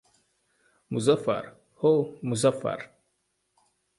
— Muzaffar, ho‘, Muzaffar!